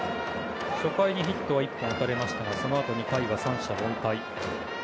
初回にヒットは１本打たれましたが２回は三者凡退。